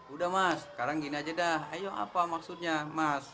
udah mas sekarang gini aja dah ayo apa maksudnya mas